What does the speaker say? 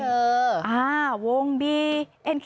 หรือลากเชิง